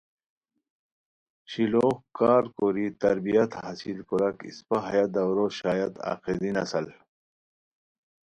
شیلوغ کارکوری تربیت حاصل کوراک اسپہ ہیہ دورو شاید آخری نسل